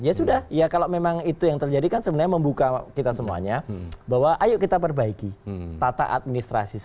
ya sudah ya kalau memang itu yang terjadi kan sebenarnya membuka kita semuanya bahwa ayo kita perbaiki tata administrasi